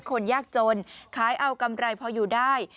คนยากจนขายเอากำไรพออยู่ได้